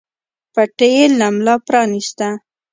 پټۍ يې له ملا پرانېسته.